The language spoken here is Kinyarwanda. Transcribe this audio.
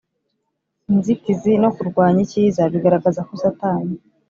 inzitizi no kurwanya icyiza bigaragaza ko satani